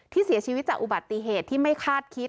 เสียชีวิตจากอุบัติเหตุที่ไม่คาดคิด